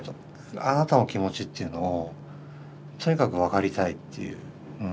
あなたの気持ちというのをとにかく分かりたいっていう。